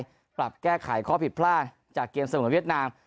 ที่กลับแก้ไขข้อผิดพล่าจากเกมสมมติเวียดนาม